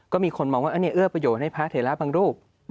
ก็มีคนมองว่าอันนี้เอื้อประโยชน์ให้พระเถระบางรูป